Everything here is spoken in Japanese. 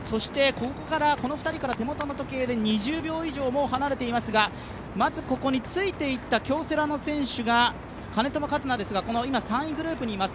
この２人から、手元の時計で２０秒以上も離れていますが、まずここについていった京セラの選手、兼友良夏ですが３位グループにいます。